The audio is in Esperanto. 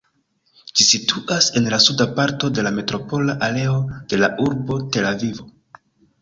Ĝi situas en la suda parto de la metropola areo de la urbo Tel-Avivo.